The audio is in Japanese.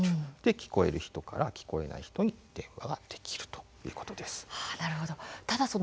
聞こえる人から聞こえない人へ電話ができるようになりました。